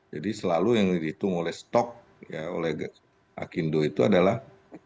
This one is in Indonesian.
jadi selalu yang dihitung oleh stok ya oleh akindo itu adalah